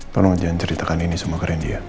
tolong jangan ceritakan ini semua ke randy ya